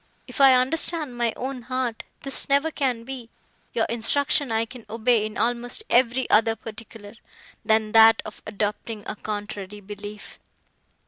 If I understand my own heart, this never can be; your instruction I can obey in almost every other particular, than that of adopting a contrary belief."